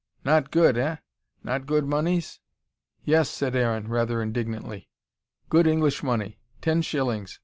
"Not good, eh? Not good moneys?" "Yes," said Aaron, rather indignantly. "Good English money. Ten shillings.